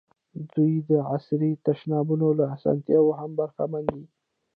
دوی د عصري تشنابونو له اسانتیاوو هم برخمن دي.